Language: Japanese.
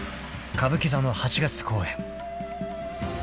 ［歌舞伎座の８月公演］